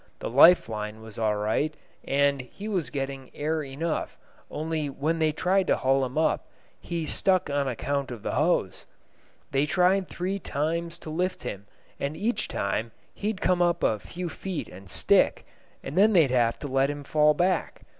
The life line was all right, and he was getting air enough, only when they tried to haul him up he stuck on account of the hose. They tried three times to lift him, and each time he'd come up a few feet and stick, and then they'd have to let him fall back.